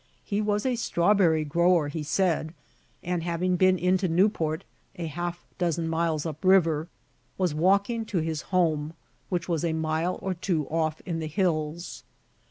He was a strawberry grower, he said, and having been into Newport, a half dozen miles up river, was walking to his home, which was a mile or two off in the hills.